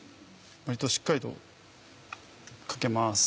割としっかりとかけます。